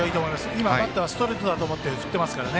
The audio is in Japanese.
今、バッターはストレートだと思って振っていますから。